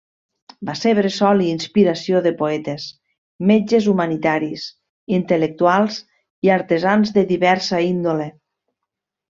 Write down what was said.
Va ser bressol i inspiració de poetes, metges humanitaris, intel·lectuals, i artesans de diversa índole.